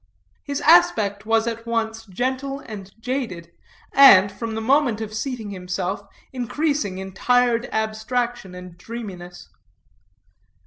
His aspect was at once gentle and jaded, and, from the moment of seating himself, increasing in tired abstraction and dreaminess.